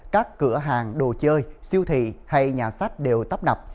các cửa hàng đồ chơi siêu thị hay nhà sách đều tấp nập